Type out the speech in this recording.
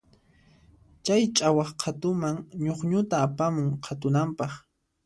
Chay ch'awaq qhatuman ñukñuta apamun qhatunanpaq.